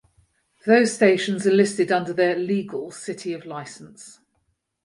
Those stations are listed under their "legal" city of licence.